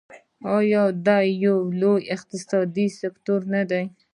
آیا دا یو لوی اقتصادي سکتور نه دی؟